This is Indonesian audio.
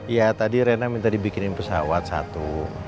iya tadi reina minta dibikinin pesawat satu